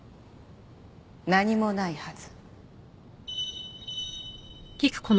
何もないはず。